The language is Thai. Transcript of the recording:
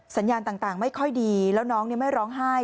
สัญญาณต่างไม่ค่อยดีแล้วน้องไม่ร้องไห้